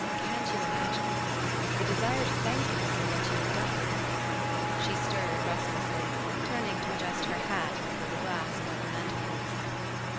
"Can't you imagine? The desire to thank you for what you have done." She stirred restlessly, turning to adjust her hat before the glass above the mantelpiece.